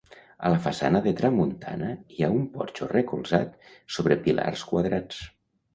A la façana de tramuntana hi ha un porxo recolzat sobre pilars quadrats.